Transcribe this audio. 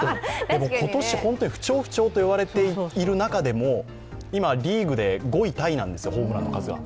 今年、不調、不調と言われている中でも今、リーグで５位タイなんですよ、ホームランの数が。